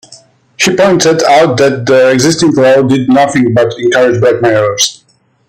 He pointed out that the existing laws did nothing but encourage blackmailers.